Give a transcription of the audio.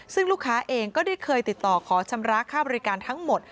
ซึ่งลูกค้าเองก็ได้เคยติดต่อขอชำระค่าบริการทั้งหมด